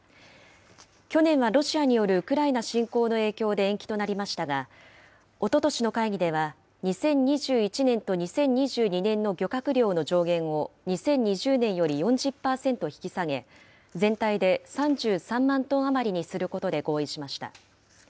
去年はロシアによるウクライナ侵攻の影響で延期となりましたが、おととしの会議では、２０２１年と２０２２年の漁獲量の上限を２０２０年より４０％引き下げ、全体で３３万トン余りにすることで合意しました。